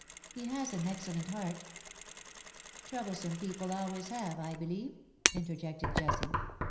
" He has an excellent heart '''" Troublesome people always have_, I believe/'' interjected Jessie.